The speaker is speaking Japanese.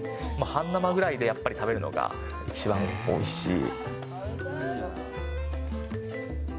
半生ぐらいでやっぱり食べるのが一番おいしい。